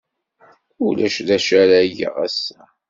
Ulac d acu ara geɣ ass-a.